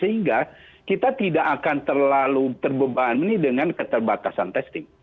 sehingga kita tidak akan terlalu terbebani dengan keterbatasan testing